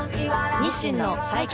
日清の最強